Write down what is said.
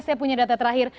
saya punya data terakhir